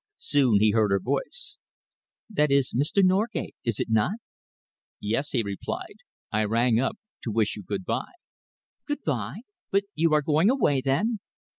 Soon he heard her voice. "That is Mr. Norgate, is it not?" "Yes," he replied. "I rang up to wish you good by." "Good by! But you are going away, then?"